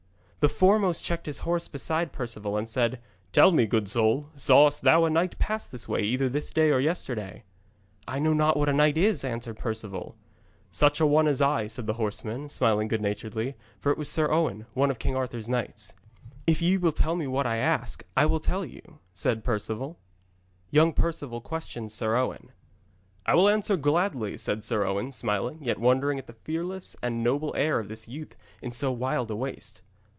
The foremost checked his horse beside Perceval, and said: 'Tell me, good soul, sawest thou a knight pass this way either this day or yesterday?' 'I know not what a knight is,' answered Perceval. 'Such a one as I,' said the horseman, smiling good naturedly, for it was Sir Owen, one of King Arthur's knights. 'If ye will tell me what I ask, I will tell you,' said Perceval. [Illustration: YOUNG PERCEVAL QUESTIONS SIR OWEN] 'I will answer gladly,' said Sir Owen, smiling, yet wondering at the fearless and noble air of this youth in so wild a waste.